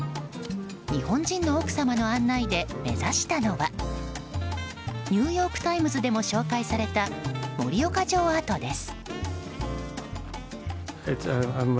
日本人の奥様の案内で目指したのはニューヨーク・タイムズでも紹介された盛岡城跡です。